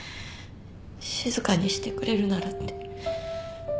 静かにしてくれるならって。